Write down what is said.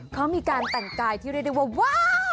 เธอมีการตัดกายที่เรียกได้ว่า